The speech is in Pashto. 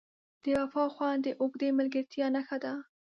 د وفا خوند د اوږدې ملګرتیا نښه ده.